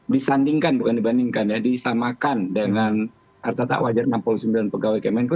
disandingkan bukan dibandingkan ya disamakan dengan arta tak wajar enam puluh sembilan pegawai kemenko